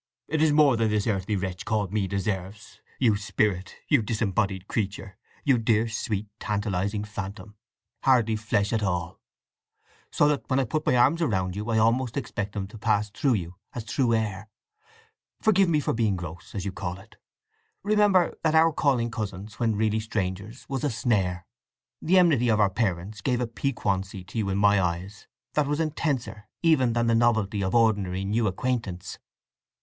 It is more than this earthly wretch called Me deserves—you spirit, you disembodied creature, you dear, sweet, tantalizing phantom—hardly flesh at all; so that when I put my arms round you I almost expect them to pass through you as through air! Forgive me for being gross, as you call it! Remember that our calling cousins when really strangers was a snare. The enmity of our parents gave a piquancy to you in my eyes that was intenser even than the novelty of ordinary new acquaintance."